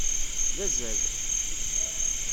D azal.